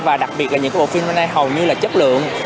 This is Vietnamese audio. và đặc biệt là những cái bộ phim năm nay hầu như là chất lượng